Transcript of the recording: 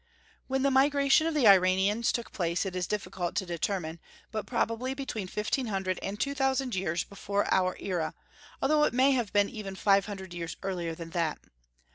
When the migration of the Iranians took place it is difficult to determine, but probably between fifteen hundred and two thousand years before our era, although it may have been even five hundred years earlier than that.